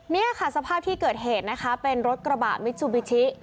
นี่ค่ะสภาพที่เกิดเหตุนะคะเป็นรถกระบะมิซูบิชิ